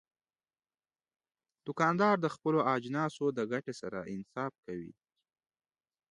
دوکاندار د خپلو اجناسو د ګټې سره انصاف کوي.